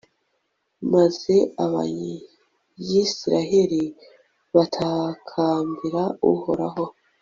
maze abayisraheli batakambira uhoraho